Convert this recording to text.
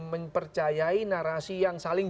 mempercayai narasi yang saling